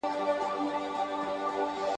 ډېر له پامه څخه کار اخستل کېدی